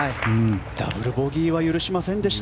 ダブルボギーは許しませんでした。